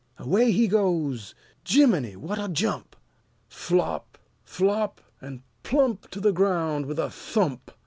Away he goes! Jimminy! what a jump! Flop flop an' plump To the ground with a thump!